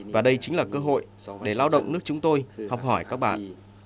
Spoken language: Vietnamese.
và đây chính là cơ hội để lao động nước chúng tôi học hỏi các bạn